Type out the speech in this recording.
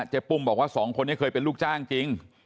ปุ้มบอกว่าสองคนนี้เคยเป็นลูกจ้างจริง